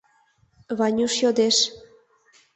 — Ванюш йодеш.